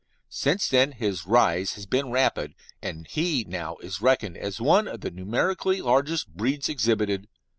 Since then his rise has been rapid, and he now is reckoned as one of the numerically largest breeds exhibited.